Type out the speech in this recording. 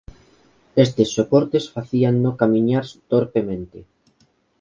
Estes soportes facíano camiñar torpemente.